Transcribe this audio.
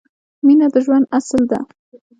مینه د ژوند اصل ده